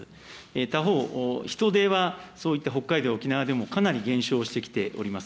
他方、人出はそういった北海道、沖縄でもかなり減少してきております。